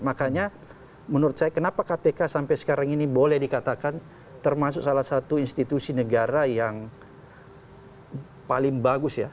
makanya menurut saya kenapa kpk sampai sekarang ini boleh dikatakan termasuk salah satu institusi negara yang paling bagus ya